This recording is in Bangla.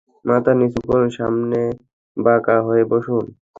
মাথা নিচু করুন, সামনে বাঁকা হয়ে বসুন!